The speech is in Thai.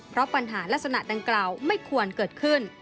เพราะปัญหาลักษณะดังกล่าวไม่ควรเกิดขึ้น